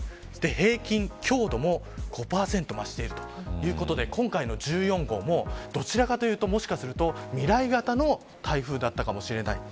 平均強度も５％増しているということで今回の１４号もどちらかというと、もしかすると未来型の台風だったかもしれない。